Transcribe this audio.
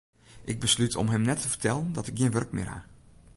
Ik beslút om him net te fertellen dat ik gjin wurk mear ha.